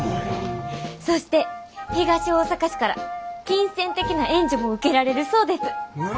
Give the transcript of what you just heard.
そして東大阪市から金銭的な援助も受けられるそうです！